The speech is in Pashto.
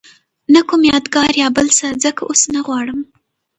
نه کوم یادګار یا بل څه ځکه اوس نه غواړم.